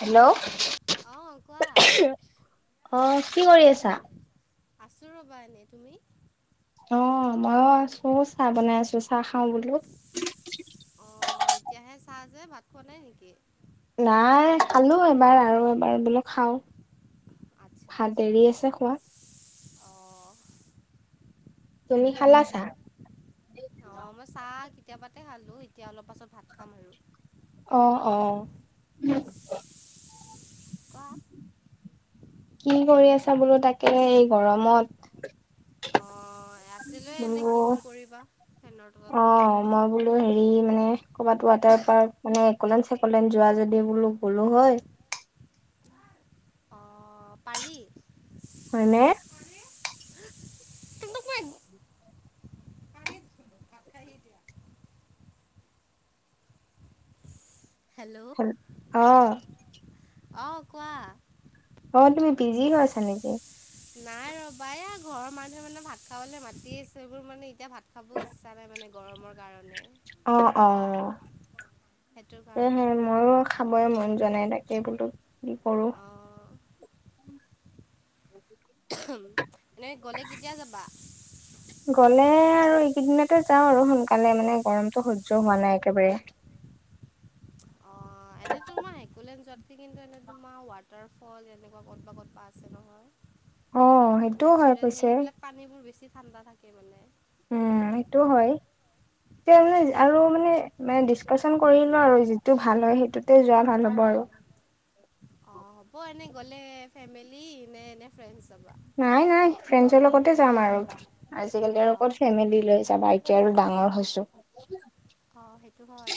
Hello. অ অঁ কোৱা কি কৰি আছা? আছু ৰ'বা এনে। তুমি? ময়ো আছো চাহ বনাই আছো চাহ খাও বোলো। বনাই নেকি? নাই খালো এবাৰ আৰু এবাৰ বোলো খাওঁ। আচ্ছা ভাত আচ্ছা দেৰি আছে খোৱা। অঁ তুমি খালা ছাহ? অ মই ছাহ কেতিয়াবাতে খালো, এতিয়া অলপ পাছত ভাত খাম আৰু। অ অ। [unintelligible] কি কৰি আছা বোলো তাকে এই গৰমত? অ আছিলো এনে বোলো কিনো কৰিবা। ফেনৰ তলত অ বাগৰি মই বোলো হেৰি মানে কৰ'বাত ৱাটাৰ পাৰ্ক মানে এক'লেণ্ড [unintelligible] যোৱা যদি বোলো গলো হয়। অ, পাৰি। হয়নে? পাৰি দিছিলো ভাত খাহি দিয়া। হ, আহ। আহ, কোৱা। অ, তুমি বিজি হৈ আছা নেকি? নাই ৰবা এ, ঘৰৰ মানুহে মানে ভাত খাবলৈ মাতি আছে, এইবোৰ মানে এতিয়া ভাত খাব ইচ্ছা নাই মানে গৰমৰ। কাৰণে অ', অ'। সেইটো কাৰণে সেহে ময়ো মানে খাবই মন জৱানাই তাকেই বোলো কি কৰো। অঁ এনে গ'লে কেতিয়া যাবা? সেইদিনাখন যাওঁ আৰু সোনকালে মানে গৰমটো সহ্য হোৱা নাই একেবাৰে। [inaudible] অঁ এনে তোমাৰ হেকুলন যোৱাত কিন্তু এনে তোমাৰ ৱাটাৰ ফল এনেকুৱা ক'তবা ক'তবা আছে অ', নহয়। সেইটোও হয় নেচাৰেল পিছে সেইবিলাক পানীবোৰ বেছি ঠাণ্ডা থাকে মানে। উম, এইটো হয়। তেতিয়া মানে আৰু মানে ম ডিচ্কাচন কৰিলো আৰু যিটো ভাল হয় সেইটোতে যোৱা ভাল হ'ব। [unintelligible] অ, হ'ব এনে গ'লে ফেমিলি নে এনে ফ্ৰেণ্ডছ যাব? নাই, নাই ফ্ৰেণ্ডছৰ লগতে যাম আৰু। আজিকালি আৰু অঁ ক'ত ফেমিলি লৈ যাবা এতিয়া আৰু ডাঙৰ হৈছো। অ, সেইটো হয়।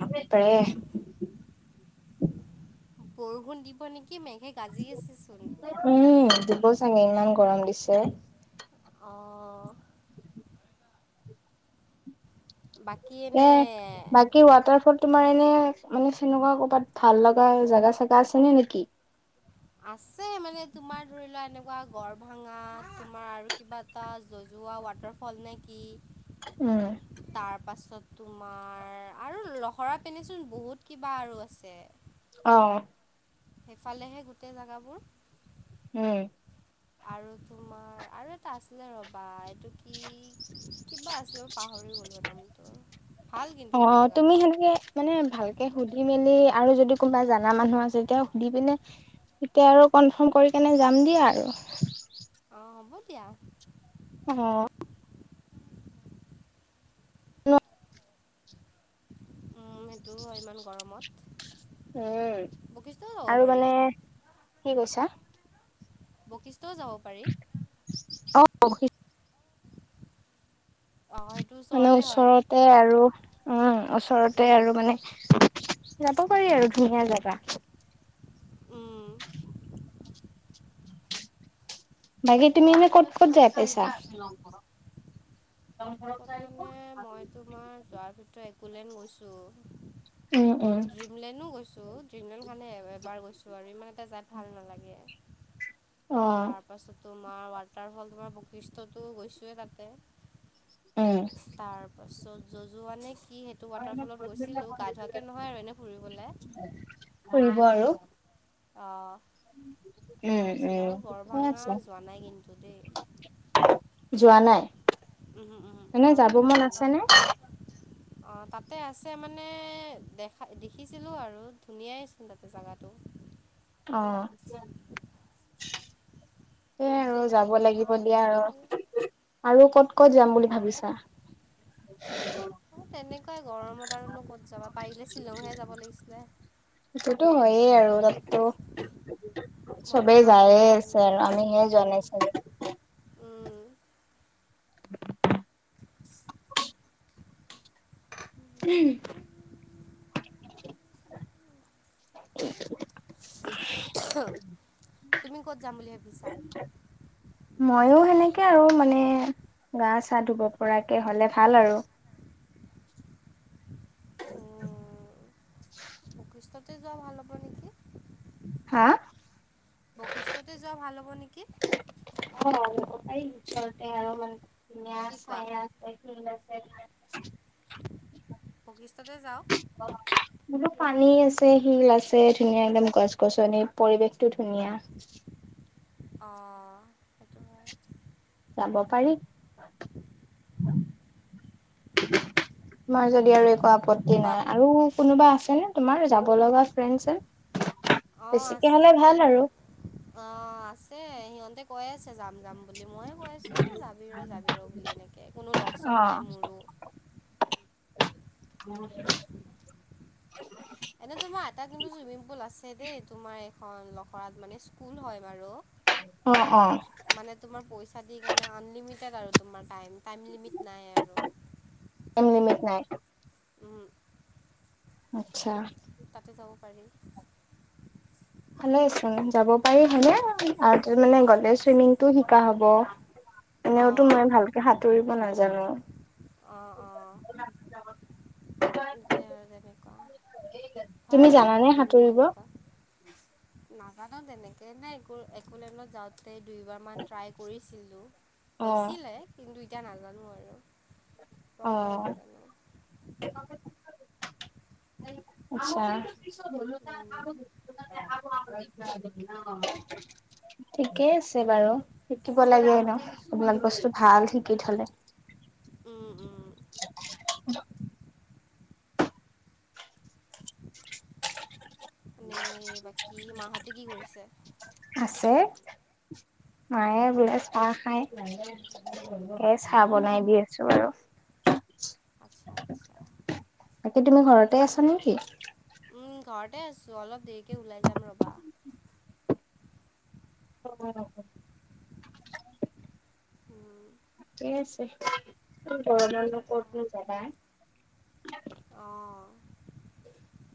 আ, প উম। বৰষুণ দিব নেকি। মেঘে গাজি আছেচোন উম, দিব চাগে। ইমান গৰম দিছে। অ'। বাকী এ, এনে বাকী ৱাটাৰ ফল তোমাৰ এনে মানে চেনেকুৱা কৰ'বাত ভাল লগা জোগা, চোগা আছে নে, নেকি। আছে মানে তোমাৰ ধৰি লোৱা এনেকুৱা গড় ভাঙা তোমাৰ আৰু কিবা এটা জজ ৰোৱা, ৱাটাৰফল নে কি। উম। তাৰপাছত তোমাৰ আৰু লহৰা পিন্ধনেচোন বহুত কিবা আৰু আছে। অ'। সেইফালেহে গোটেই জোগাবোৰ উম। আৰু তোমাৰ আৰু এটা আছিলে ৰবা এইটো কি [inaudible] কিবা আছিলে ম পাহৰি গ'লো নামটো। ভাল কিন্তু অ, সেইটো তুমি জেগাটো সেনেকে মানে ভালকে সুধি মেলি আৰু যদি কোনোবা জানা মানুহ আছে এতিয়া সুধি পিনে এতিয়া আৰু কনফাৰ্ম কৰি কেনে যাম দিয়া আৰু। অ, হ'ব দিয়া। অ'। সেইটো হয় ইমান গৰমত। উম, বশিষ্ঠও যাব আৰু পাৰি মানে কি কৈছা। বশিষ্ঠও যাব পাৰি। অ অঁ সেইটো মানে ওচৰতে হয় ওচৰতে আৰু উম ওচৰতে আৰু মানে যাব পাৰি আৰু ধুনীয়া জোগা। বাকি তুমি মানে ক'ত, ক'ত যায় পইচা। ক'ত ক'ত মানে মই তোমাৰ যোৱাৰ ভিতৰত একোলেন্দ গৈছো। উম। উম ড্ৰিমলেণ্ডো গৈছো ড্ৰিমলেণ্ড খানহে এবাৰ গৈছো আৰু ইমান এটা যাই ভাল নালাগে। অ তাৰ পাছত তোমাৰ ৱাটাৰ ফল তোমাৰ বশিষ্টতো গৈছোয়েই তাতে। উম। তাৰপিছত যজুৱান নহয় আৰু এনেই ফুৰিবলৈ ফুৰিব আৰু [unintelligible] অ'। তেনেকুৱা উম কৈছিলে উম আৰু ঠিকে গড়ভাঙা আছে যোৱা নাই কিন্তু দেই। যোৱা নাই। উমহ উমহ মানে যাব গড়ভাঙা মন যোৱা আছে নাই। নে অ' তাতে আছে মানে দেখা দেখিছিলোঁ আৰু ধুনীয়াই আছিল তাতে জেগাটো। অ'। এয়া আৰু এতিয়া যাব লাগিব তোমাৰ দিয়া কথা আৰু। আৰু ক'ত ক'ত যাম বুলি ভাবিছা? [unintelligible] তেনেকুৱাই গৰমত আৰুনো ক'ত যাবা পাৰিলে শ্বিলংহে যাব লাগিছিলে। সেইটোতো হয়েই [unintelligible] মনলৈ চবেই যাব যায়ে নোৱাৰে আছে ইমান আৰু আমি হে যোৱা নাই চাগে। উম। [inaudible] তুমি ক'ত যাম বুলি ভাবিছা? ময়ো সেনেকে আৰু মানে গা চা ধুব পৰাকে হ'লে ভাল আৰু। উম। বশিষ্ঠতে যোৱা ভাল হ'ব নেকি? হা? বশিষ্ঠতে যোৱা ভাল হ'ব নেকি? অ' যাব পাৰি। ওচৰতে আৰু মানে ধুনীয়া কি কোৱা চায়া আছে, শিল আছে। বশিষ্ঠতে যাওঁ। বোলো পানী আছে, শিল আছে, ধুনীয়া একদম গছ-গছনি, পৰিৱেশটো ধুনীয়া। [inaudible] অ'। সেইটো হয়। যাব পাৰি। তোমাৰ যদি আৰু একো আপ পত্তি নাই, আৰু কোনোবা আছে নে, তোমাৰ যাব লগা ফ্ৰেণ্ড চেণ্ড? অ' বেছিকে আছে হ'লে ভাল ফোন। আৰু। অ' আছে। সিহঁতে কৈ আছে যাম যাম বুলি। বুলি ময়ে কৈ আছোঁ, এ যাবি ৰ' যাবি ৰ' বুলি এনেকে। কোনো লগ চগ অ নাই মোৰো। [unintelligible] এনে তোমাৰ, এটা কিন্তু চুইমিং পুল আছে দেই। তোমাৰ লখৰাত মানে, স্কুল হয় বাৰু। অ অ মানে তোমাৰ, পইচা দি কেনে, আনলিমিটেড আৰু তোমাৰ টাইম। টাইম লিমিট নাই আৰু। টাইম লিমিট নাই। উম আচ্ছা। তাতে যাব পাৰি ভালেই চুন। যাব পাৰি হয়নে, আৰু টো মানে গ'লে ছুইমিংটো শিকা হ'ব। এনেওটো অঁ মই ভালকে সাঁতুৰিব নাজানো। অঁ [inaudible] দিছে আৰু তেনেকুৱা। তুমি হয় আৰু জানানে বিল্ডিং সাঁতুৰিব এনেকুৱা। না ইমানো তেনেকে নাই একো, একুলেণ্ডত যাওঁতে তেই দুইবাৰমান ট্ৰাই কৰিছিলোঁ। অ হৈছিলে, কিন্তু এতিয়া নাজানো আৰু অ প্ৰপাৰ নাজানো। [inaudible] আচ্ছা। উম, ঠিকেই আছে বাৰু, শিকিব লাগে এনেও। এইবিলাক বস্তু ভাল শিকি থলে। [inaudible] উম, উম। [unintelligible] মানে বাকী মাহঁতে কি কৰিছে [inaudible] আছে। মায়ে বোলে চাহ খায়। এই চাহ বনাই দি অঁ আছোঁ আৰু। আচ্ছা আচ্ছা বাকী তুমি ঘৰতে আছা নেকি? উম, ঘৰতে আছোঁ, অলপ দেৰিকে ওলাই যাম ৰ'বা। ঠিকে আছে। এই গৰমতনো ক'তনো যাবা? অ'।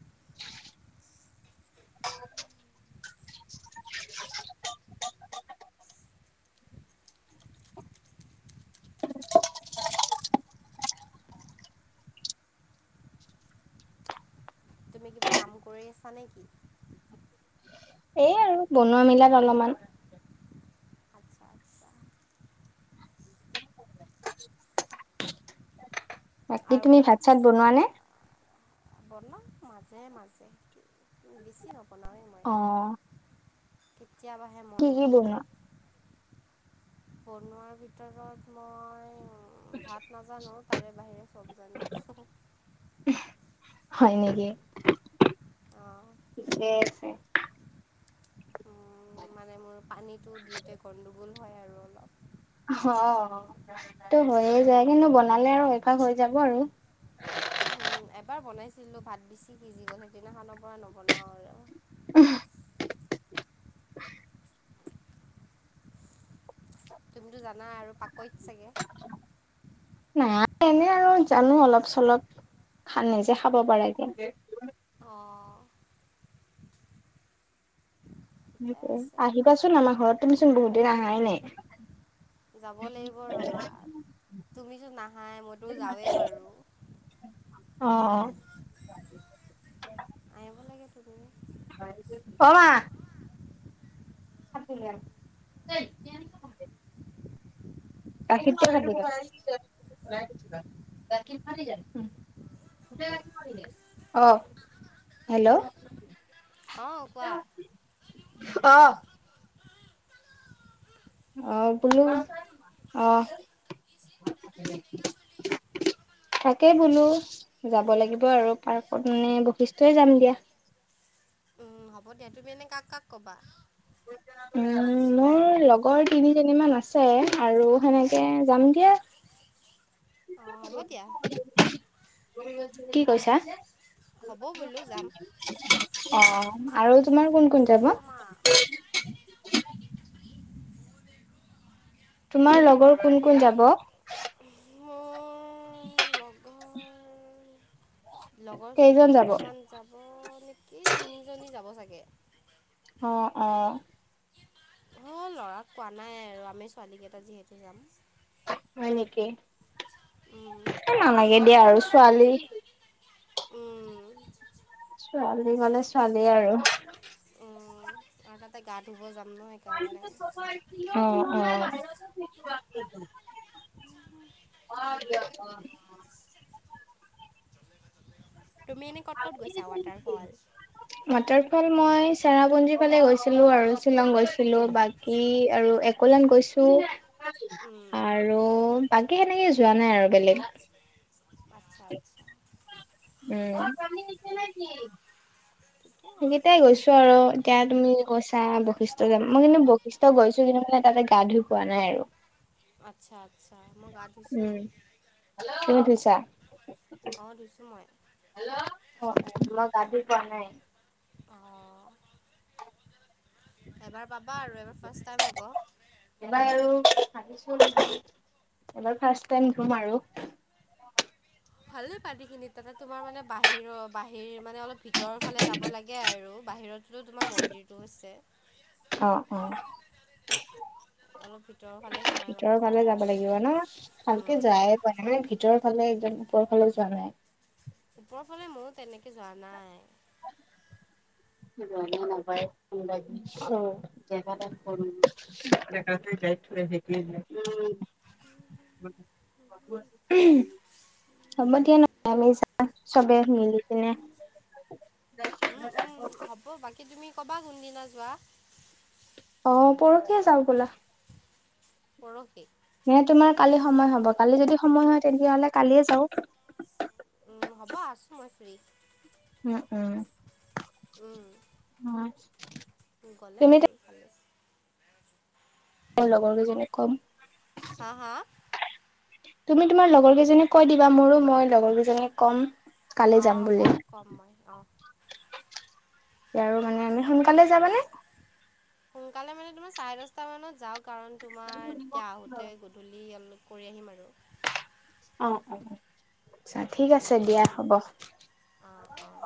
[inaudible] [inaudible] [inaudible] তুমি কিবা কাম কৰি আছা নেকি? এ, আৰু বনোৱা মিলাত অলপমান। আচ্ছা আচ্ছা [inaudible] বাকি আৰু তুমি ভাত ক'ৰবাত চাত বনোৱানে? যা- বনাওঁ মাজে মাজে, বেছি নবনাওঁ। অ'। কেতিয়াবাহে মন কি কি গ'লে। বনোৱা বনোৱাৰ ভিতৰত মই ভাত নাজানো তাৰে বাহিৰে চ'ব জানো। হয় নেকি, অঁ ঠিকেই আছে। উম' মানে মোৰ পানীতো দিওঁতে গণ্ডগোল হয় আৰু অলপ অ' তো হৈয়ে যায় কিন্তু বনালে আৰু অভ্যাস হৈ যাব আৰু। [inaudible] উম' এবাৰ বনাইছিলোঁ, ভাত বেছি সিজি গ'ল, সেইদিনাখৰ পৰা নবনাও আৰু। [unintelligible] [inaudible] তুমিতো জানা আৰু পাকৈত চাগে? নাই এনে আৰু জানো অলপ চলপ খা নিজে খাব পাৰাকে। অঁ ঠিকে আছে আহিবাচোন আমাৰ ঘৰত, তুমিচোন বহুত দিন আহাই নাই। যাব লাগিব ৰ'বা। তুমিতো নাহাই, মইতো যাওঁৱে বাৰু। অ', অ'। আহিব লাগিচি অ' মা। [unintelligible] [unintelligible] অ' হেল্ল'। অ' কোৱা। অ অ' বোলো অহ। [inaudible] তাকে বোলো যাব লাগিব আৰু পাৰ্কত মানে বৈশিষ্টই যাম দিয়া উম', হ'ব দিয়া, তুমি এনে কাক কাক কবা? উম', মই মোৰ লগৰ তিনিজনী মান আছে আৰু সেনেকে যাম দিয়া অ', হ'ব দিয়া। কি কৈছা? হ'ব বোলো যাম অ ', আৰু তোমাৰ কোন কোন যাব? সংগমা তোমাৰ লগৰ কোন কোন যাব? মোৰ লগৰ লগৰ কেইজন ছোৱালী যাব অ দুটামান যাব এই তিনিজনী যাব চাগে। অ', অ', অ', লৰাক কোৱা নাই আৰু আমি ছোৱালী কেইটা যিহেতু যাম। হয় নেকি উম এ নালাগে দিয়া আৰু ছোৱালী। উম', ছোৱালী গলে ছোৱালী আৰু উম', আৰু তাতে গা ধুব যাম ন সেইকাৰণে অ', অ', অ', দিয়া অ', অ', তুমি এনেই ক'ত ক'ত গৈছা ৱাটাৰফল মাটাৰ ফল মই চেৰাপুঞ্জী ফালে গৈছিলো আৰু শ্বিলং গৈছিলো বাকী আৰু একলান গৈছো উম আৰু বাকী সেনেকে যোৱা নাই আৰু বেলেগ। আতচ্ছা, আতচ্ছা। উম। ঠিকে আছে সেইকেইটাই গৈছো আৰু এতিয়া তুমি গৈছা বৈশিষ্ট মই কিন্তু বৈশিষ্ট গৈছো কিন্তু মানে তাতে গা ধুই পোৱা নাই আৰু আতচ্ছা, আতচ্ছা। উম, তুমি ধুইছা? অঁ ধুইছোঁ মই হেল্ল, অ মই গা ধুই পোৱা নাই অ, এবাৰ পাব বা আৰু এবাৰ ফ্ৰাষ্ট টাইম হ'ব। এবাৰ আৰু ভাবিছো এবাৰ ফ্ৰাষ্ট টাইম ধুম আৰু ভালে পানীখিনি তাতে তোমাৰ মানে বাহিৰৰ বাহিৰ মানে, অলপ ভিতৰৰ ফালে যাব লাগে। আৰু বাহিৰত য'ত তোমাৰ মন্দিৰটো আছে অ', অ', অলপ ভিতৰৰ ফালে সোমাই ভিতৰৰ গ'লে ফালে পায় যাব আৰু লাগিব ন। ভালকে উম, যায় পোৱা নাই। মানে ভিতৰ ফালে ওপৰ ফালে যোৱা নাই ওপৰৰ ফালে ময়ো তেনেকে যোৱা নাই? যোৱা নাই নাপায় [inaudible] হ'ব দিয়া নহলে আমি যাম চবে মিলি কিনে [inaudible] উম, উম, হ'ব বাকী তুমি ক'বা কোনদিনা যোৱা? অ', পৰখিয়ে যাও ব'লা পৰখি নে তোমাৰ কালি সময় হ'ব? কালি যদি সময় হয় তেতিয়া হ'লে কালিয়ে যাও। উম, হ'ব আছো মই ফ্ৰী উম, উম। উম, উম, গ'লে তুমি হ'ল ভালে। লগৰ কেইজনীক কম হা, হা? তুমি তোমাৰ লগৰ কেইজনীক কৈ দিবা মোৰো মই লগৰ কেইজনীক ক'ম কালি অ, যাম হ'ব। কম মই অ'। এ, আৰু মানে আমি সোনকালে যাবানে? সোনকালে মানে তুমাৰ চাৰে দশটা মানত যাওঁ। কাৰণ তোমাৰ তেতিয়া আহোতে গধূলি অলপ কৰি আহিম আৰু। অ', অ', আতচ্ছা ঠিক উম, আছে উম, দিয়া হ'ব। অ', অ'।